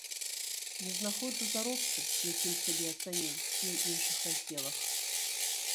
Не знаходжу заробку, якім сябе ацаніў, і ў іншых раздзелах.